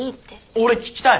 俺聞きたい。